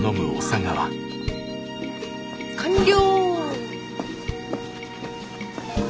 完了。